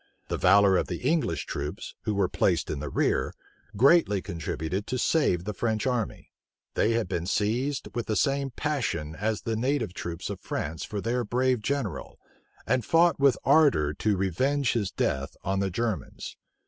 The valor of the English troops, who were placed in the rear, greatly contributed to save the French army. They had been seized with the same passion as the native troops of France for their brave general, and fought with ardor to revenge his death on the Germans.